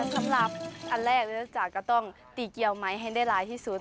สำหรับอันแรกที่รู้จักก็ต้องตีเกียวไหมให้ได้ร้ายที่สุด